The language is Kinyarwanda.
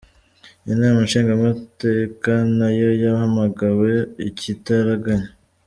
Inama nshingamateka na yo yahamagawe ikitaraganya.